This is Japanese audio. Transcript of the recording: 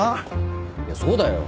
いやそうだよ。